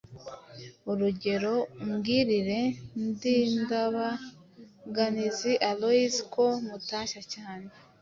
Urugero: Umbwirire Ndindabaganizi Aloyizi ko mutashya cyane.